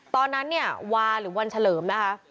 ตอนนั้นเนี่ยวาหรือวันเฉลิมนะคะ